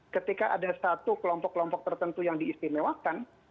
ketika ada satu kelompok kelompok tertentu yang diistimewakan